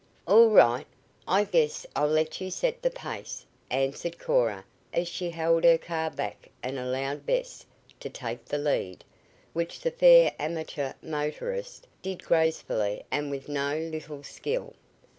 "All right. I guess I'll let you set the pace," answered Cora as she held her car back and allowed Bess to take the lead, which the fair amateur motorist did gracefully and with no little skill.